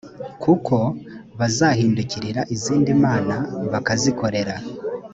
kuko bazahindukirira izindi mana bakazikorera